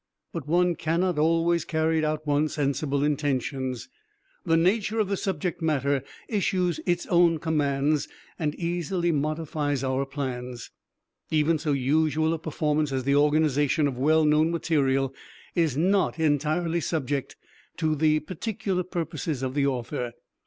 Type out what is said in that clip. But one cannot always carry out one's sensible intentions. The nature of the subject matter issues its own commands, and easily modifies our plans. Even so usual a performance as the organization of well known material is not entirely subject to the particular purposes of the author.